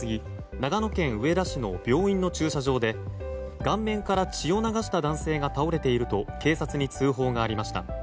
長野県上田市の病院の駐車場で顔面から血を流した男性が倒れていると警察に通報がありました。